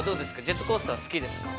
ジェットコースターは好きですか？